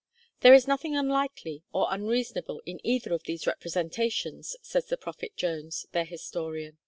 'There is nothing unlikely or unreasonable in either of these representations,' says the Prophet Jones, their historian.